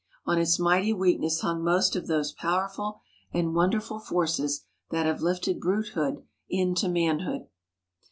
On its mighty weakness hung most of those powerful and wonderful forces that have lifted brutehood into manhood.